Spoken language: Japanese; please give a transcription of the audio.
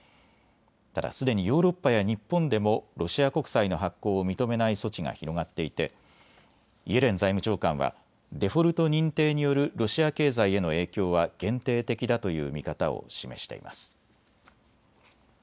ただ、すでにヨーロッパや日本でもロシア国債の発行を認めない措置が広がっていてイエレン財務長官はデフォルト認定によるロシア経済への影響は限定的だという見方を示しています。